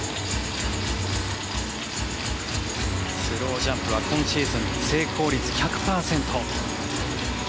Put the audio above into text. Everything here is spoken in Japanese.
スロージャンプは今シーズン、成功率１００％。